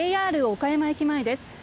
ＪＲ岡山駅前です。